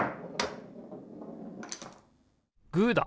グーだ！